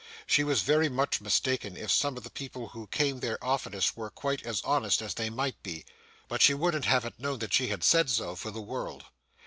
She was very much mistaken if some of the people who came there oftenest were quite as honest as they might be, but she wouldn't have it known that she had said so, for the world.